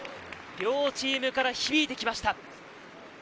両チームから響いてきました。